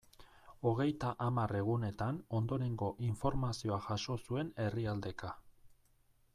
Hogeita hamar egunetan ondorengo informazioa jaso zuen herrialdeka.